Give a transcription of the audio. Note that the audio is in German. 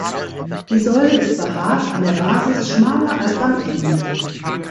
Die Säule ist behaart, an der Basis schmaler als am Ende.